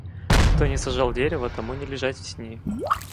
Кто не сажал дерева, тому не лежать в тени.